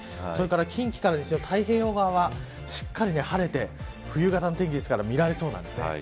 近畿から西の太平洋側はしっかり晴れて冬型の天気ですから見られそうです。